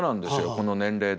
この年齢で。